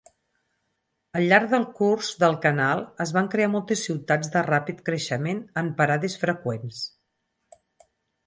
Al llarg del curs del canal es van crear moltes ciutats de ràpid creixement en parades freqüents.